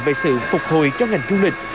về sự phục hồi cho ngành du lịch